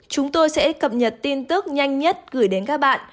chúng tôi sẽ cập nhật tin tức nhanh nhất gửi đến các bạn